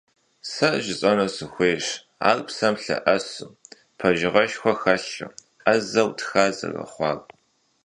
Сэ жысӀэну сыхуейщ ар псэм лъэӀэсу, пэжыгъэшхуэ хэлъу, Ӏэзэу тха зэрыхъуар.